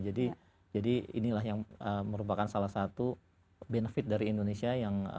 jadi inilah yang merupakan salah satu benefit dari indonesia